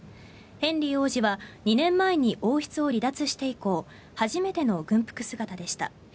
ヘンリー王子は２年前に王室を離脱して以降初めての軍服姿でした。